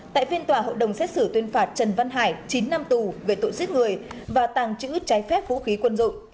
tại phiên tòa hội đồng xét xử tuyên phạt trần văn hải chín năm tù về tội giết người và tàng trữ trái phép vũ khí quân dụng